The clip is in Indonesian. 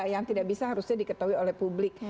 yang tidak bisa harusnya diketahui oleh publik